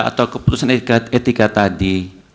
atau keputusan etika tadi